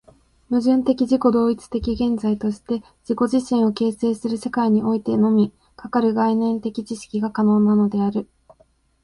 矛盾的自己同一的現在として自己自身を形成する世界においてのみ、かかる概念的知識が可能なのである。